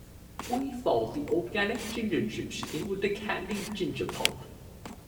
We fold the organic ginger juice in with the candied ginger pulp.